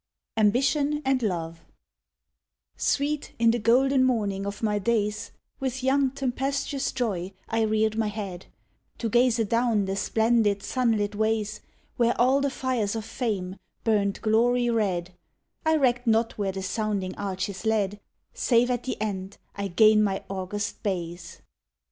AMBITION AND LOVE Sweet, in the golden morning of my days, With young tempestuous joy I reared my head To gaze adown the splendid sunlit ways Where all the fires of fame burned glory red, I recked not where the sounding arches led, Save at the end I gain my august bays.